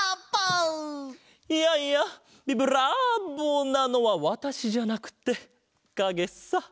いやいやビブラーボなのはわたしじゃなくてかげさ！